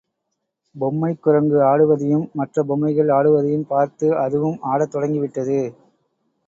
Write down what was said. பொம்மைக்குரங்கு ஆடுவதையும், மற்ற பொம்மைகள் ஆடுவதையும் பார்த்து அதுவும் ஆடத் தொடங்கிவிட்டது.